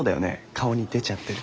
顔に出ちゃってる。